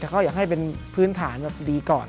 แต่เขาอยากให้เป็นพื้นฐานแบบดีก่อน